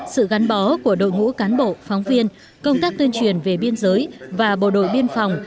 sự gắn bó của đội ngũ cán bộ phóng viên công tác tuyên truyền về biên giới và bộ đội biên phòng